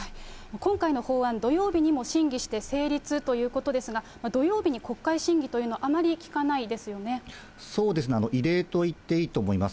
今回の法案、土曜日にも審議して成立ということですが、土曜日に国会審議というのは、そうですね、異例と言っていいと思います。